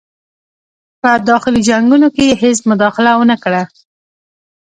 په داخلي جنګونو کې یې هیڅ مداخله ونه کړه.